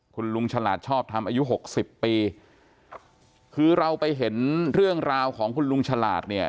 คุณลุงฉลาดชอบทำอายุหกสิบปีคือเราไปเห็นเรื่องราวของคุณลุงฉลาดเนี่ย